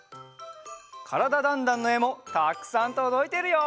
「からだ★ダンダン」のえもたくさんとどいてるよ！